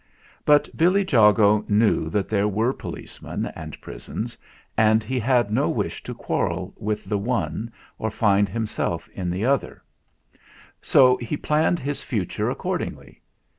But Billy Jago knew that there were policemen and prisons, and he had no wish to quarrel with the one or find himself in the other; so he planned his future accordingly.